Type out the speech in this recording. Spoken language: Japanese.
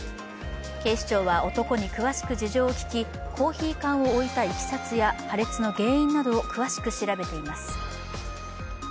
警視庁は、男に詳しく事情を聴きコーヒー缶を置いたいきさつや破裂の原因などを詳しく調べています。